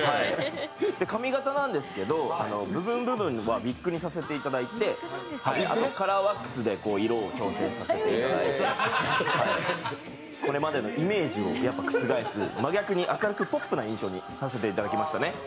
髪形なんですけど部分部分ウィッグにさせていただいてカラーワックスで色を矯正させていただいて、これまでのイメージを覆す、真逆に明るくポップな印象にさせていただきました。